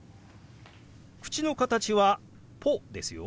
口の形は「ポ」ですよ。